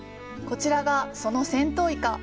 こちらがその船凍イカ。